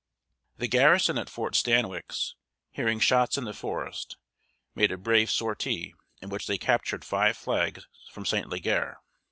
The garrison at Fort Stanwix, hearing shots in the forest, made a brave sortie, in which they captured five flags from St. Leger.